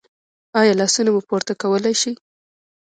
ایا لاسونه مو پورته کولی شئ؟